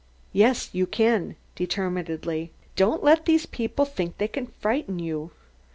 "Yes, you can," determinedly. "Don't let these people think they can frighten you."